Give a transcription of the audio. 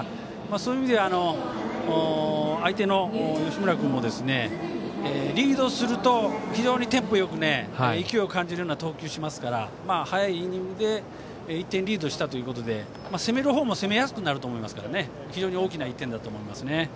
そういう意味では相手の吉村君もリードすると非常にテンポよく勢いを感じるような投球するので早いイニングで１点をリードしたということで攻める方も攻めやすくなると思いますから非常に大きな１点だと思いますね。